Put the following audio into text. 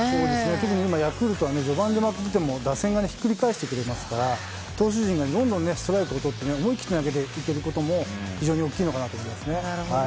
今ヤクルトは序盤打てなくても打線がひっくり返してくれますから投手陣がどんどんストライクをとって思い切って投げていけることも非常に大きいんだと思います。